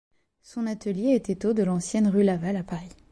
Son atelier était au de l'ancienne rue Laval à Paris.